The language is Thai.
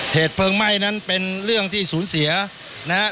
เหตุเพลิงไหม้นั้นเป็นเรื่องที่สูญเสียนะฮะ